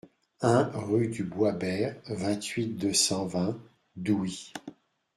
un rue du Bois Bert, vingt-huit, deux cent vingt, Douy